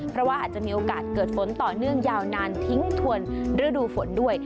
เพราะว่าอาจจะมีโอกาสเกิดฝนต่อเนื่องยาวนานทิ้งถวนฤดูฝนด้วย